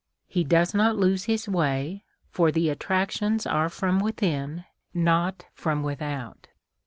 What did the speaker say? He does not lose his way, for the attractions are from within, not from without.